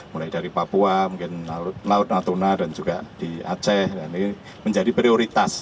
mulai dari papua mungkin laut natuna dan juga di aceh dan ini menjadi prioritas